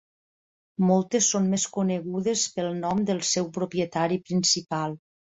Moltes són més conegudes pel nom del seu propietari principal.